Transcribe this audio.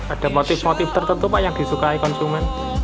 ada motif motif tertentu pak yang disukai konsumen